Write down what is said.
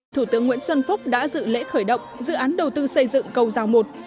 thủ tướng nguyễn xuân phúc đã dự lễ khởi động dự án đầu tư xây dựng cầu giao i